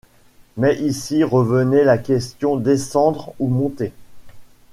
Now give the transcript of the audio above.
Mais ici revenait la question: descendre, ou monter?